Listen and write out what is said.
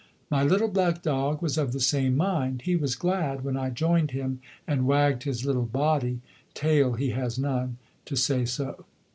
My little black dog was of the same mind. He was glad when I joined him, and wagged his little body tail he has none to say so.